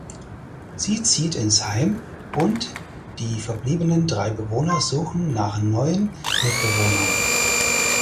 Sie zieht ins Heim und die verbliebenen drei Bewohner suchen nach neuen Mitbewohnern.